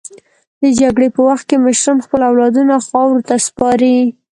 د جګړې په وخت کې مشران خپل اولادونه خاورو ته سپاري.